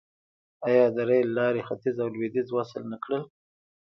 آیا د ریل لارې ختیځ او لویدیځ وصل نه کړل؟